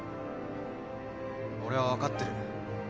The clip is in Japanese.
俺は分かってる。